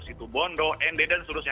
situ bondo nd dan seterusnya